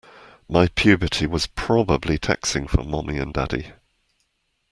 My puberty was probably taxing for mommy and daddy.